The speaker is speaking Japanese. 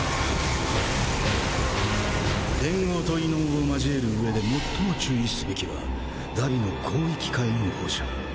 連合と異能を交える上で最も注意すべきは荼毘の広域火炎放射。